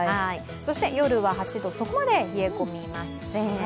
そして夜は８度、そこまで冷え込みません。